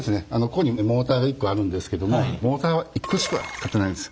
ここにモーターが１個あるんですけどもモーターは１個しか使ってないんです。